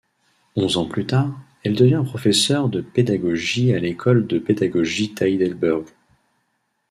Onze ans plus tard, elle devient professeur de pédagogie à l'école de pédagogie d'Heidelberg.